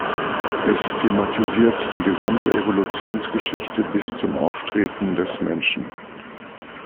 Es thematisiert die gesamte Evolutionsgeschichte bis zum Auftreten des Menschen.